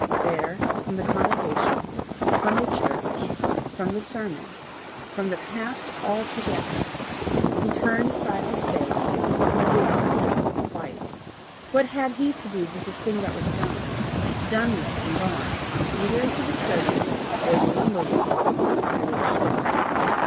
There, from the congregation, from the church, from the sermon, from the past altogether, he turned aside his face and would forget them quite. What had he to do with the thing that was done, done with, and gone, either into the treasury or the lumber room, of creation?